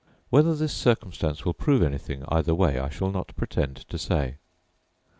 Whether this circumstance will prove anything either way I shall not pretend to say.